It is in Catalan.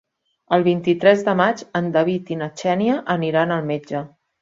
El vint-i-tres de maig en David i na Xènia aniran al metge.